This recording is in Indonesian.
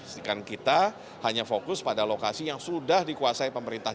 sedangkan kita hanya fokus pada lokasi yang sudah dikuasai pemerintah